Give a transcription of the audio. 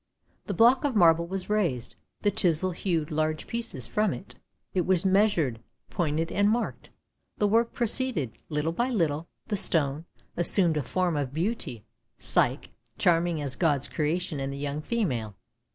The block of marble was raised, the chisel hewed large pieces from it; it was measured, pointed, and marked. The work proceeded; little by little, the stone assumed a form of beauty — Psyche — charming as God's creation in the young female.